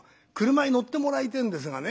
俥に乗ってもらいてえんですがね。